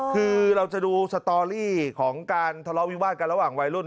คือเราจะดูสตอรี่ของการทะเลาะวิวาสกันระหว่างวัยรุ่น